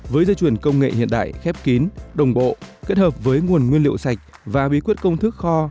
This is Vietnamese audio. với dây chuyển công nghệ hiện đại khép kín đồng bộ kết hợp với nguồn nguyên liệu sạch và bí quyết công thức kho